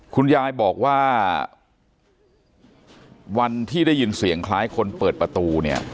คุณยายบอกว่าวันที่ได้ยินเสียงคล้ายคนเปิดประตูเนี่ย